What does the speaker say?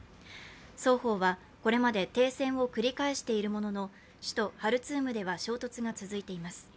双方はこれまで停戦を繰り返しているものの首都ハルツームでは衝突が続いています。